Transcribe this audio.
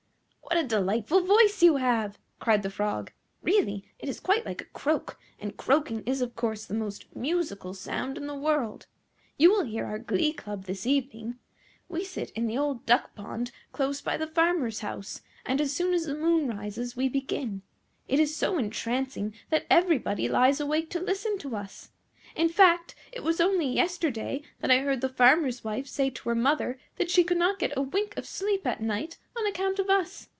"What a delightful voice you have!" cried the Frog. "Really it is quite like a croak, and croaking is of course the most musical sound in the world. You will hear our glee club this evening. We sit in the old duck pond close by the farmer's house, and as soon as the moon rises we begin. It is so entrancing that everybody lies awake to listen to us. In fact, it was only yesterday that I heard the farmer's wife say to her mother that she could not get a wink of sleep at night on account of us.